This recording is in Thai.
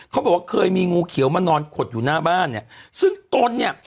บอกว่าเคยมีงูเขียวมานอนขดอยู่หน้าบ้านเนี่ยซึ่งตนเนี่ย